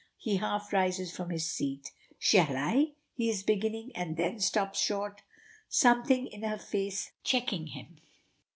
He half rises from his seat: "Shall I?" he is beginning, and then stops short, something in her face checking him.